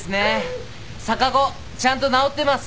逆子ちゃんと治ってます。